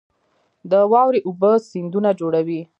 د واورې اوبه سیندونه جوړوي